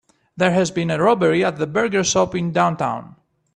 There has been a robbery at the burger shop in downtown.